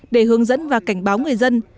để hướng dẫn và cảnh báo người dân